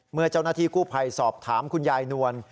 เมื่อเจ้าหน้าที่กู้ภัยสอบถามคุณยายนวล